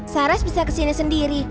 saras bisa ke sini sendiri